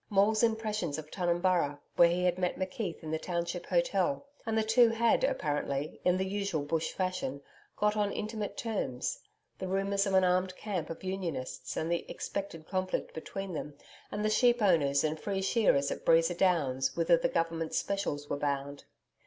Maule's impressions of Tunumburra where he had met McKeith in the township hotel, and the two had apparently, in the usual Bush fashion, got on intimate terms the rumours of an armed camp of Unionists, and the expected conflict between them and the sheep owners and free shearers at Breeza Downs, whither the Government specials were bound.